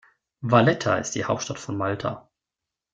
Valletta ist die Hauptstadt von Malta.